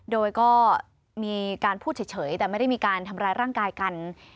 โดยก็มีการพูดเฉยแต่ไม่ได้มีการทำร้ายร่างกายกัน